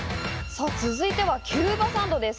さぁ、続いては、キューバサンドです。